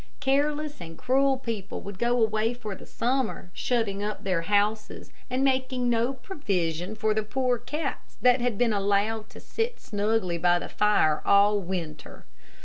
Careless and cruel people would go away for the summer, shutting up their houses, and making no provision for the poor cats that had been allowed to sit snugly by the fire all winter.